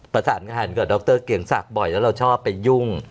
ประสานงานกับดรเกียรติศักดิ์บ่อยแล้วเราชอบไปยุ่ง